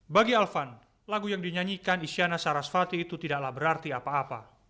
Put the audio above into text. bagi alvan lagu yang dinyanyikan isyana sarasvati itu tidaklah berarti apa apa